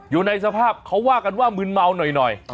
อยู่ในสภาพเขาว่ากันว่ามืนเมาหน่อย